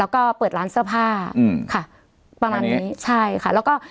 แล้วก็เปิดร้านเสื้อผ้าอืมค่ะประมาณนี้ใช่ค่ะแล้วก็